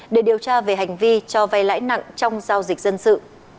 để điều tra về hành vi cho vay lãi nặng trong giao dịch dân sự